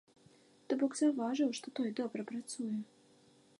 То бок заўважыў, што той добра працуе!